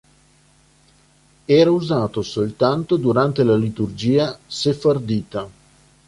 Era usato soltanto durante la liturgia sefardita.